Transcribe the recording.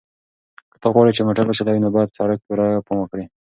که ته غواړې چې موټر وچلوې نو باید په سړک کې پوره پام وکړې.